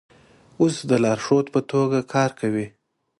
اوس د لارښود په توګه کار کوي.